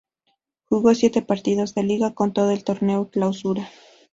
Jugó siete partidos de liga en todo el torneo clausura.